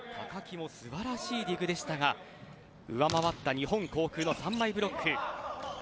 高木も素晴らしいディグでしたが上回った日本航空の３枚ブロック。